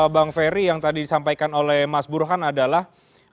bang ferry yang tadi disampaikan oleh mas burhan adalah